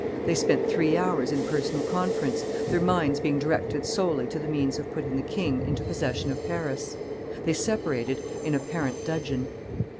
They spent three hours in personal conference, their minds being directed solely to the means of putting the king into possession of Paris. They separated in apparent dudgeon.